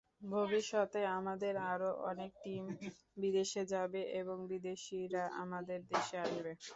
ভবিষ্যতে আমাদের আরও অনেক টিম বিদেশে যাবে এবং বিদেশিরাও আমাদের দেশে আসবে।